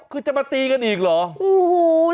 คือจะมาตีกันอีกเหรอ